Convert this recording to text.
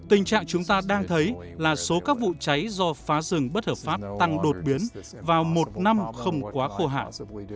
tình trạng chúng ta đang thấy là số các vụ cháy do phá rừng bất hợp pháp tăng đột biến vào một năm không quá khô hạn